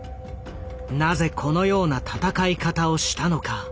なぜこのような戦い方をしたのか。